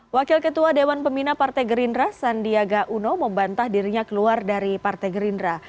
wakil ketua dewan pembina partai gerindra sandiaga uno membantah dirinya keluar dari partai gerindra